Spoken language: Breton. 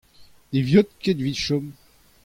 ne viot ket evit chom.